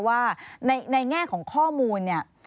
ว่าในแง่ของข้อมูล